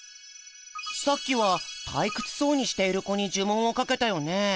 さっきは退屈そうにしている子に呪文をかけたよね？